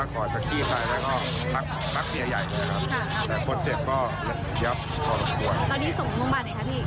ตอนนี้ส่งโรงพยาบาลไหนคะพี่